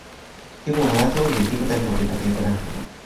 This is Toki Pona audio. lipu Monato li lipu tenpo pi toki Epelanto.